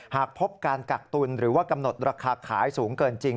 หากพบการกักตุลหรือว่ากำหนดราคาขายสูงเกินจริง